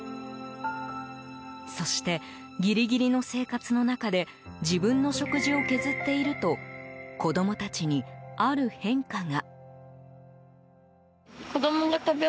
そして、ギリギリの生活の中で自分の食事を削っていると子供たちに、ある変化が。